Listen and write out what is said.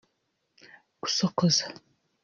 gusokoza